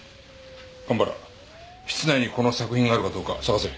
蒲原室内にこの作品があるかどうか探せ。